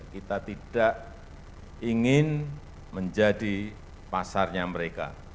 kita tidak ingin menjadi pasarnya mereka